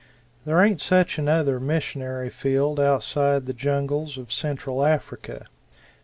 There ain't such another missionary field outside the jungles of Central Africa.